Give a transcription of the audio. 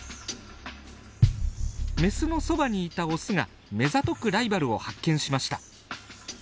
メスのそばにいたオスが目ざとくライバルを発見しました。